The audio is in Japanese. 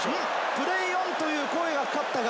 プレーオンという声がかかったが。